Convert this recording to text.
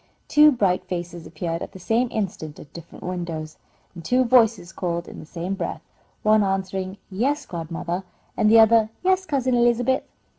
Two bright faces appeared at the same instant at different windows, and two voices called in the same breath, one answering, "Yes, godmother," and the other, "Yes, Cousin Elizabeth."